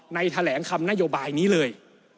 แถลงคำนโยบายนี้เลย